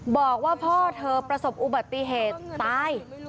บอกว่าพ่อเธอประสบอุบัติเหตุตาย